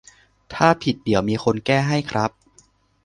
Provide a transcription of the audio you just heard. ถ้าผิดเดี๋ยวมีคนแก้ให้ครับ